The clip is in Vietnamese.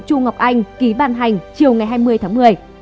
trung ngọc anh ký ban hành chiều ngày hai mươi tháng một mươi